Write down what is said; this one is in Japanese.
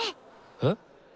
えっ？